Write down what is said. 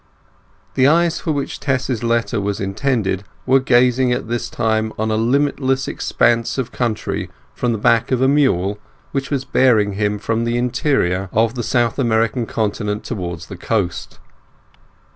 The eyes for which Tess's letter was intended were gazing at this time on a limitless expanse of country from the back of a mule which was bearing him from the interior of the South American Continent towards the coast.